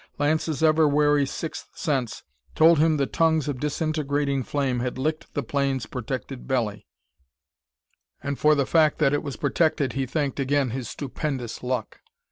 Lance's ever wary sixth sense told him the tongues of disintegrating flame had licked the plane's protected belly, and for the fact that it was protected he thanked again his stupendous luck.